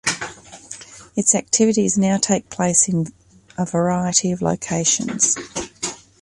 Its activities now take place in a variety of locations.